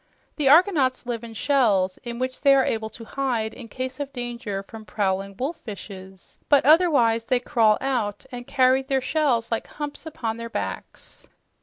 The argonauts live in shells in which they are able to hide in case of danger from prowling wolf fishes, but otherwise they crawl out and carry their shells like humps upon their backs.